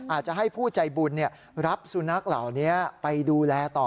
อาจจะให้ผู้ใจบุญรับสุนัขเหล่านี้ไปดูแลต่อ